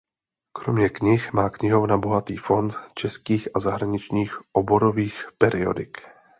Kromě knih má knihovna bohatý fond českých a zahraničních oborových periodik.